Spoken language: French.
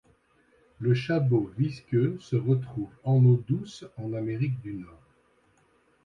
Le chabot visqueux se retrouve en eau douce en Amérique du Nord.